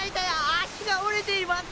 あっ足が折れています。